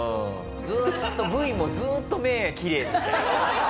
ずっとＶもずっと目きれいでしたよ。